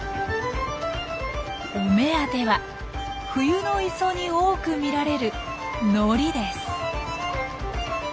お目当ては冬の磯に多く見られるノリです。